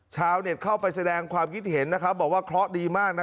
ชาวเน็ตเข้าไปแสดงความคิดเห็นนะครับบอกว่าเคราะห์ดีมากนะ